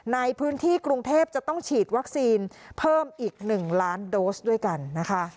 ในพื้นที่กรุงเทพจะต้องฉีดวัคซีนเพิ่มอีก๑ล้านโดสด้วยกันนะคะ